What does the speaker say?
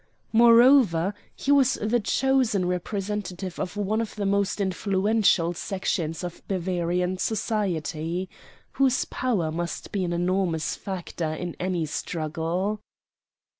Moreover, he was the chosen representative of one of the most influential sections of Bavarian society, whose power must be an enormous factor in any struggle.